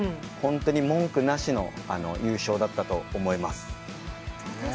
本当に文句なしの優勝だったと思います。